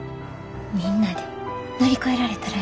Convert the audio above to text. みんなで乗り越えられたらええな。